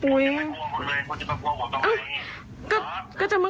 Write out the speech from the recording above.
คนยังไม่กลัวคนเลยคนจะกลัวผมต้องไง